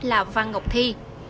là văn ngọc thi